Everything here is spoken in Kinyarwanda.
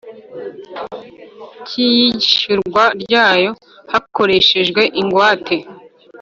Cy iyishyurwa ryayo hakoreshejwe ingwate